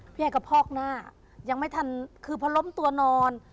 ยายก็พอกหน้ายังไม่ทันคือพอล้มตัวนอน